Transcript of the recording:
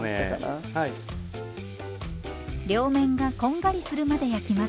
両面がこんがりするまで焼きます。